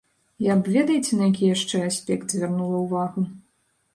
Я б ведаеце, на які яшчэ аспект звярнула ўвагу.